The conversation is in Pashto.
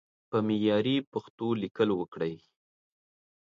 په معياري پښتو ليکل وکړئ!